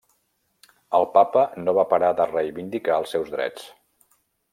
El Papa no va parar de reivindicar els seus drets.